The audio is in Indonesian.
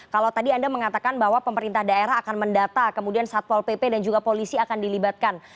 kalau tadi anda mengatakan bahwa pemerintah daerah akan mendata kemudian satpol pp dan juga polisi akan dilibatkan